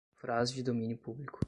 Frase de domínio publico